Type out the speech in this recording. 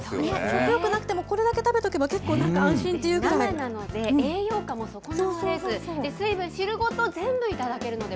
食欲なくても、これだけ食べとけばけっこうなんか安心という生なので栄養価も損なわれず、水分、汁ごと全部頂けるので。